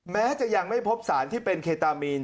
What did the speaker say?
แม้จะยังไม่พบสารที่เป็นเคตามีน